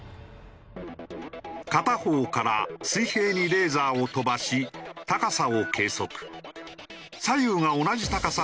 片方から水平にレーザーを飛ばし高さを計測。